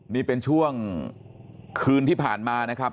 นี่เป็นช่วงคืนที่ผ่านมานะครับ